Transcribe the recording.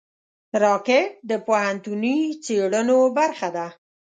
راکټ د پوهنتوني څېړنو برخه ده